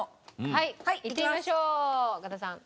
はいいってみましょう岡田さん。